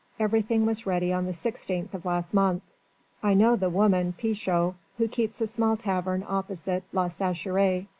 Everything was ready on the 16th of last month. I know the woman Pichot, who keeps a small tavern opposite La Sécherie.